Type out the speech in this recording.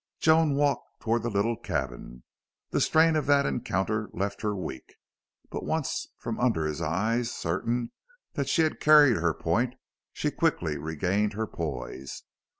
Joan walked toward the little cabin. The strain of that encounter left her weak, but once from under his eyes, certain that she had carried her point, she quickly regained her poise.